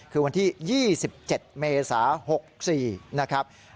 คือวันที่๒๗เมษา๖๔นะครับ